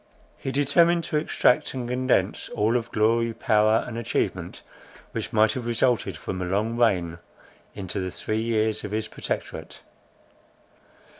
He determined to extract and condense all of glory, power, and achievement, which might have resulted from a long reign, into the three years of his Protectorate.